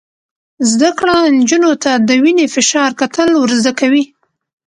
زده کړه نجونو ته د وینې فشار کتل ور زده کوي.